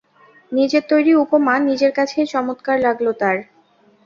নিজের তৈরি উপমা নিজের কাছেই চমৎকার লাগল তাঁর।